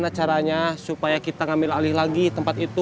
bagaimana caranya supaya kita ngambil alih lagi tempat itu